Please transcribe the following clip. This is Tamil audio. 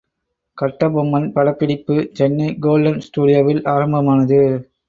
கட்டபொம்மன் படப்பிடிப்பு சென்னை கோல்டன் ஸ்டுடியோவில் ஆரம்பமானது.